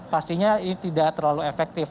pastinya ini tidak terlalu efektif